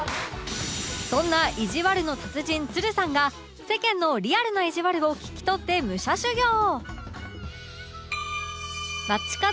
そんないじわるの達人つるさんが世間のリアルないじわるを聞き取って武者修行